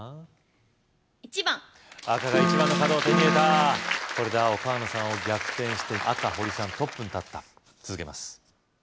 １番赤が１番の角を手に入れたこれで青・川野さんを逆転して赤・堀さんトップに立った続けます